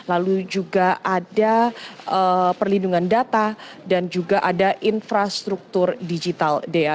ada perlindungan data dan juga ada infrastruktur digital dea